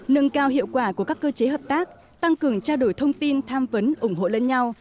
nâng cao hiệu quả của các cơ chế hợp tác tăng cường trao đổi thông tin tham vấn ủng hộ lẫn nhau